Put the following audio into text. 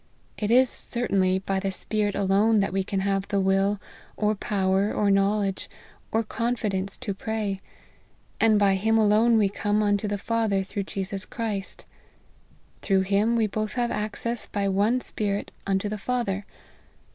It is certainly by the Spirit alone that we can have the will, or power, or knowledge, or confidence to pray ; and by Him alone we come unto the Father through Jesus Christ. * Through Him we both have access by one Spirit unto the Father.'